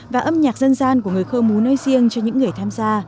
và âm nhạc dân gian của người khơ mú nói riêng cho những người tham gia